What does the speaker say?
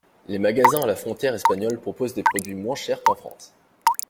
Les magasins à la frontière espagnole proposent des produits moins chers qu'en France.